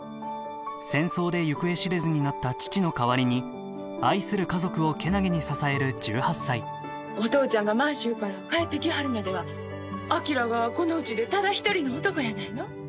戦争で行方知れずになった父の代わりに愛する家族を健気に支える１８歳お父ちゃんが満州から帰ってきはるまでは昭がこのうちでただ一人の男やないの。